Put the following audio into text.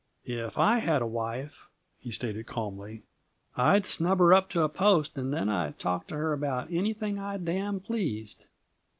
"If I had a wife," he stated calmly, "I'd snub her up to a post and then I'd talk to her about anything I damn pleased!"